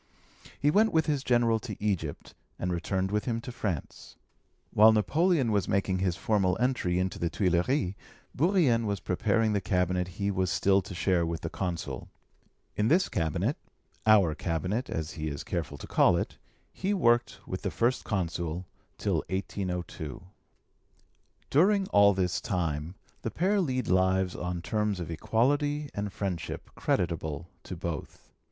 He went with his General to Egypt, and returned with him to France. While Napoleon was making his formal entry into the Tuilleries, Bourrienne was preparing the cabinet he was still to share with the Consul. In this cabinet our cabinet, as he is careful to call it he worked with the First Consul till 1802. During all this time the pair lead lives on terms of equality and friendship creditable to both.